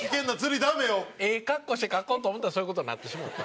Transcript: ええかっこして描こうと思ったらそういう事になってしもうた。